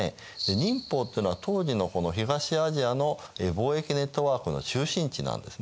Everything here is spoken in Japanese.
寧波っていうのは当時の東アジアの貿易ネットワークの中心地なんですね。